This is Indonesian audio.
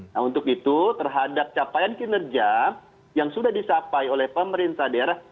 nah untuk itu terhadap capaian kinerja yang sudah dicapai oleh pemerintah daerah